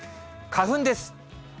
花粉です。